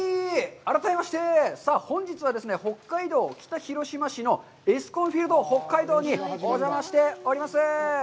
改めまして、さあ、本日はですね、北海道北広島市のエスコンフィールドＨＯＫＫＡＩＤＯにお邪魔しております。